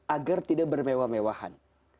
agar tidak bermewah mewahan